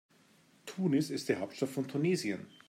Tunis ist die Hauptstadt von Tunesien.